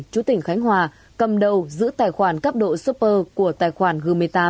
chú tỉnh khánh hòa cầm đầu giữ tài khoản cấp độ super của tài khoản g một mươi tám